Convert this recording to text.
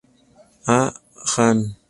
A. Hahn.